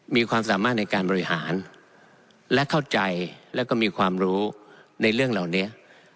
มีความสามารถในการบริหารและเข้าใจแล้วก็มีความรู้ในเรื่องเหล่านี้